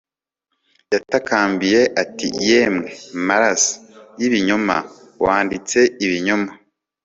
Yatakambiye ati Yemwe maraso yibinyoma wanditse ibinyoma